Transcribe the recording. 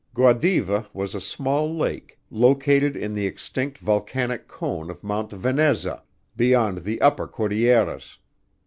"Guadiva" was a small lake located in the extinct volcanic cone of Mt. Veneza, beyond the upper Cordilleras.